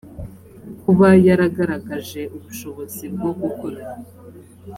kuba yaragaragaje ubushobozi bwo gukora